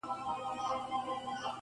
تاريخ بيا بيا هماغه وايي تل,